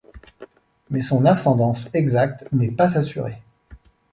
Mais son ascendance exacte n'est pas assurée.